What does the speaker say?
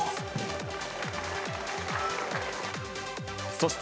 そして。